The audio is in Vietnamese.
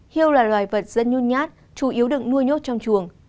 hiêu là loài vật rất nhu nhát chủ yếu được nuôi nhốt trong chuồng